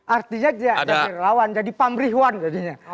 artinya dia jadi relawan jadi pamrihwan jadinya